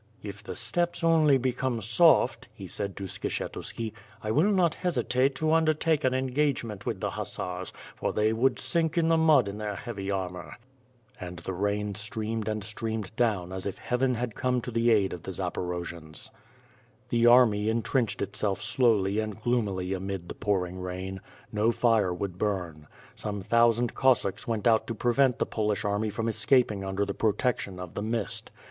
"If the steppes only become soft," he said to Skshetuski, "T will not hesitate to undertake an engagement with the hussars, for they would sink in the mud in their heavy armor. 1 Sanioil Welichk. ly^ ^/^^ ^"^RE ^^'^ SWORD. And the rain streamed and streamed down, as if Heaven had come to the aid of the Zaporojians. The army intrenched itself slowly and gloomily amid the pouring rain. No fire would burn. Some thousand Cossacks went out to prevent the Polish army from escaping under the protection of the mist.